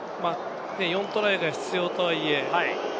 ４トライが必要とはいえ。